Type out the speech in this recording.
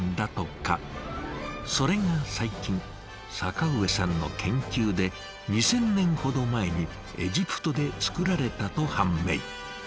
それが最近坂上さんの研究で２，０００年ほど前にエジプトで作られたと判明。